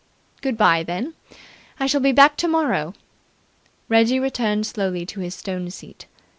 "Good bye, then. I shall be back tomorrow." Reggie returned slowly to his stone seat.